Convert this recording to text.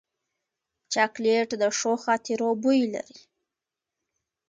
چاکلېټ د ښو خاطرو بوی لري.